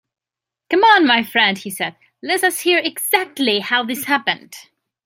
"Come, my friend," he said, "let us hear exactly how this happened!"